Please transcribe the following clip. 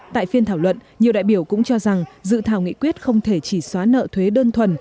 tại phiên thảo luận nhiều đại biểu cũng cho rằng dự thảo nghị quyết không thể chỉ xóa nợ thuế đơn thuần